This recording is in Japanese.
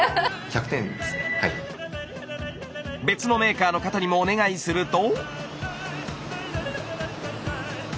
別のメーカーの方にもお願いすると。